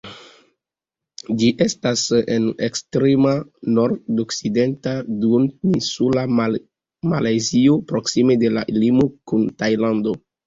Ĝi estas en ekstrema nordokcidenta Duoninsula Malajzio, proksime de la limo kun Tajlando.